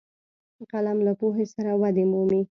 قلم له پوهې سره ودې مومي